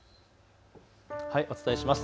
お伝えします。